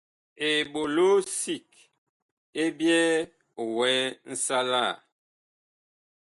Eɓolo sig ɛ byɛɛ wɛɛ nsalaa.